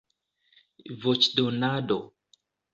voĉdonado